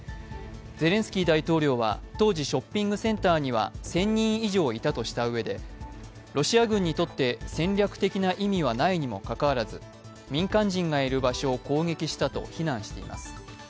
ゼレンスキー大統領は当時、ショッピングセンターには１０００人以上いたとしたうえで、ロシア軍にとって戦略的な意味はないにもかかわらず民間人がいる場所を攻撃したと非難しています。